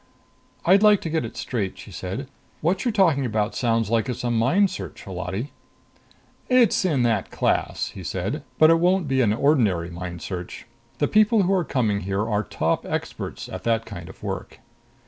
"I'd like to get it straight," she said. "What you're talking about sounds like it's a mind search job, Holati." "It's in that class," he said. "But it won't be an ordinary mind search. The people who are coming here are top experts at that kind of work."